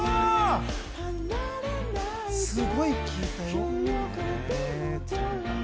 すごい聴いたよ。